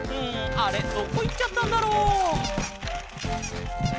あれどこいっちゃったんだろう？